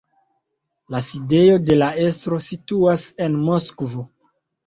La sidejo de la estro situas en Moskvo.